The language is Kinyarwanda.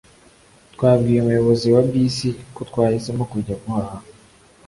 Twabwiye umuyobozi wa bisi ko twahisemo kujya guhaha